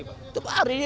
setiap hari pak